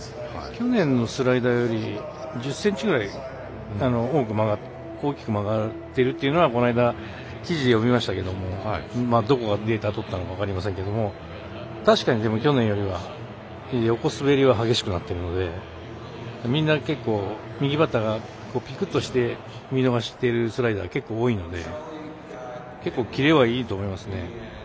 去年のスライダーより１０ｃｍぐらい大きく曲がってるというのはこの間、記事を読みましたけどどこがデータ取ったのかは分かりませんけど確かに、去年よりは横滑りは激しくなっているのでみんな結構、右バッターがぴくっとして見逃しているスライダー結構、多いので結構、キレはいいと思いますね。